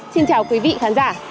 xin chào quý vị khán giả